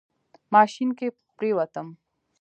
ماشين کې پرېوتم.